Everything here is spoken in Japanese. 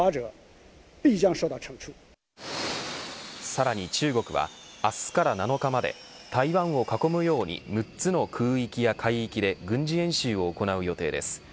さらに中国は明日から７日まで台湾を囲むように６つの空域や海域で軍事演習を行う予定です。